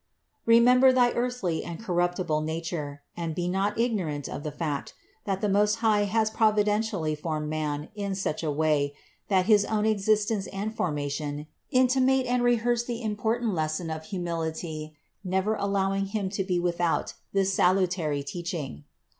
Remember thy earthly and cor 32 CITY OF GOD ruptible nature, and be not ignorant of the fact, that the Most High has providentially formed man in such a way that his own existence and formation intimate and re hearse the important lesson of humility never allowing him to be without this salutary teaching.